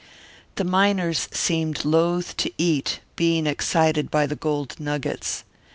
The miners seemed loth to eat, being excited by the gold nuggets.